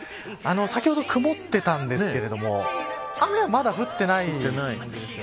先ほど曇っていたんですけれども雨はまだ降っていないようですね。